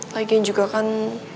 lagian juga kan